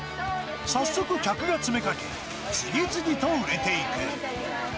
早速客が詰めかけ、次々と売れていく。